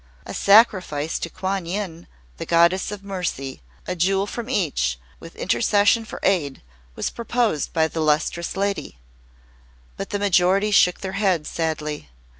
A sacrifice to Kwan Yin, the Goddess of Mercy, of a jewel from each, with intercession for aid, was proposed by the Lustrous Lady; but the majority shook their heads sadly.